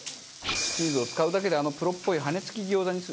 チーズを使うだけであのプロっぽい羽根付き餃子にする。